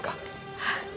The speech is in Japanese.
はい。